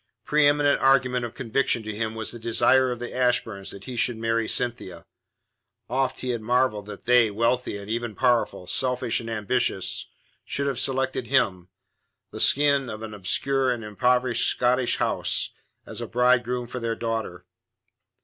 Pre eminent argument of conviction to him was the desire of the Ashburns that he should marry Cynthia. Oft he had marvelled that they, wealthy, and even powerful, selfish and ambitious, should have selected him, the scion of an obscure and impoverished Scottish house, as a bridegroom for their daughter.